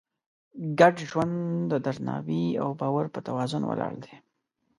ګډ ژوند د درناوي او باور په توازن ولاړ دی.